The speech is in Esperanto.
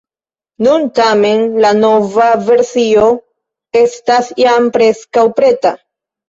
Nun tamen la nova versio estas jam preskaŭ preta.